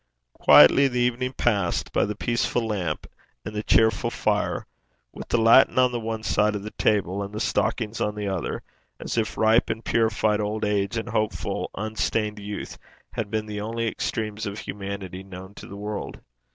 Quietly the evening passed, by the peaceful lamp and the cheerful fire, with the Latin on the one side of the table, and the stocking on the other, as if ripe and purified old age and hopeful unstained youth had been the only extremes of humanity known to the world.